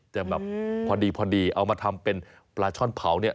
แบบพอดีเอามาทำเป็นปลาช่อนเผาเนี่ย